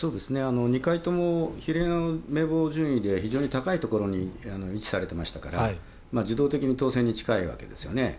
２回とも比例の名簿順位で非常に高いところに位置されていましたから自動的に当選に近いわけですね。